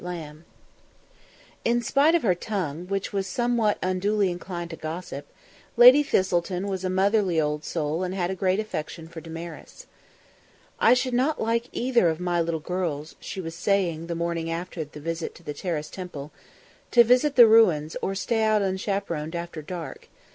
LAMB. In spite of her tongue, which was somewhat unduly inclined to gossip, Lady Thistleton was a motherly old soul and had a great affection for Damaris. "... I should not like either of my little girls," she was saying the morning after the visit to the Terrace Temple, "to visit the ruins or stay out unchaperoned after dark.